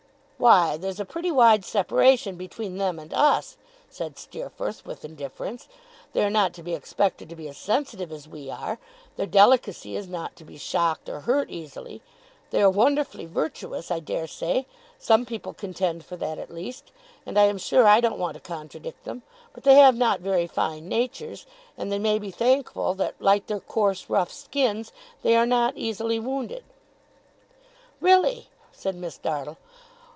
'Why, there's a pretty wide separation between them and us,' said Steerforth, with indifference. 'They are not to be expected to be as sensitive as we are. Their delicacy is not to be shocked, or hurt easily. They are wonderfully virtuous, I dare say some people contend for that, at least; and I am sure I don't want to contradict them but they have not very fine natures, and they may be thankful that, like their coarse rough skins, they are not easily wounded.' 'Really!' said Miss Dartle.